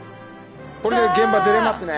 これで現場出れますね。